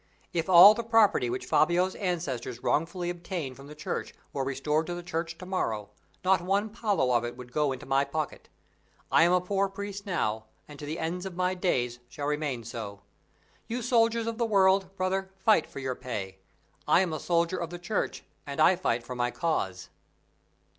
If all the property which Fabio's ancestors wrongfully obtained from the Church were restored to the Church to morrow, not one paulo of it would go into my pocket. I am a poor priest now, and to the end of my days shall remain so. You soldiers of the world, brother, fight for your pay; I am a soldier of the Church, and I fight for my cause."